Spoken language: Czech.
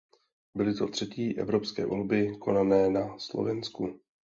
Byly to třetí evropské volby konané na Slovensku.